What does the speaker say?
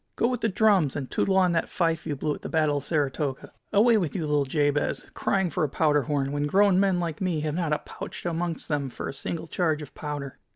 Go with the drums, and tootle on that fife you blew at the Battle of Saratoga. Away with you, little Jabez, crying for a powder horn, when grown men like me have not a pouch amongst them for a single charge of powder!"